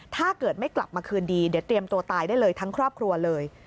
ถ้าเกิดไม่กลับมาคืนดีเดี๋ยวเตรียมตัวตายได้เลยทั้งครอบครัวเลย